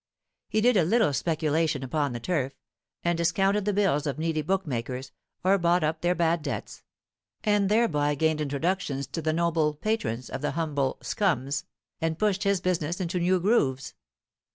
He did a little speculation upon the turf, and discounted the bills of needy bookmakers, or bought up their bad debts, and thereby gained introductions to the noble patrons of the humble "scums," and pushed his business into new grooves.